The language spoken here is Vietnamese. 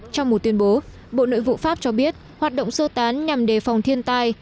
trong một tuyên bố bộ nội vụ pháp cho biết hoạt động sơ tán nhằm đề phòng thiên tai